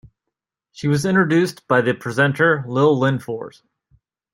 She was introduced by the presenter Lill Lindfors.